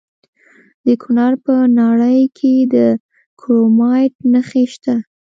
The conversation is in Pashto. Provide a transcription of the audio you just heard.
د کونړ په ناړۍ کې د کرومایټ نښې شته.